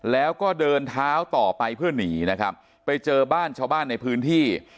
แล้วก็เดินเท้าต่อไปเพื่อหนีนะครับไปเจอบ้านชาวบ้านในพื้นที่